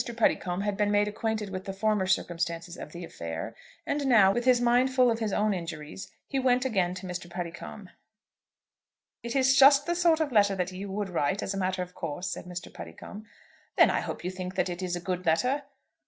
Puddicombe had been made acquainted with the former circumstances of the affair; and now, with his mind full of his own injuries, he went again to Mr. Puddicombe. "It is just the sort of letter that you would write, as a matter of course," said Mr. Puddicombe. "Then I hope that you think it is a good letter?"